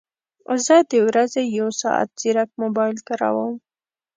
زه د ورځې یو ساعت ځیرک موبایل کاروم